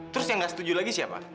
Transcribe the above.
terus yang nggak setuju lagi siapa